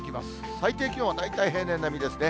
最低気温は大体平年並みですね。